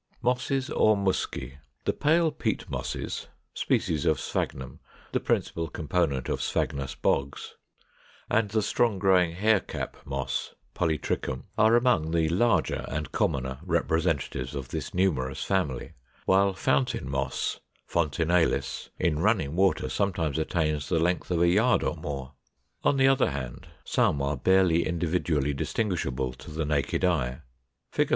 ] 499. =Mosses or Musci.= The pale Peat mosses (species of Sphagnum, the principal component of sphagnous bogs) and the strong growing Hair cap Moss (Polytrichum) are among the larger and commoner representatives of this numerous family; while Fountain Moss (Fontinalis) in running water sometimes attains the length of a yard or more. On the other hand, some are barely individually distinguishable to the naked eye. Fig.